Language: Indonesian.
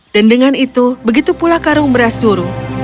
dan dengan itu begitu pula karung merah suruh